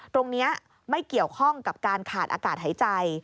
ตรงนี้ไม่เกี่ยวข้องกับการขาดอากาศหายใจ